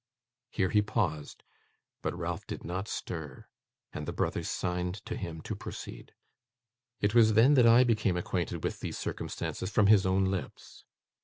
Here he paused, but Ralph did not stir, and the brothers signed to him to proceed. 'It was then that I became acquainted with these circumstances from his own lips.